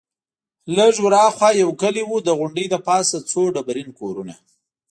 لږ ورهاخوا یو کلی وو، د غونډۍ له پاسه څو ډبرین کورونه.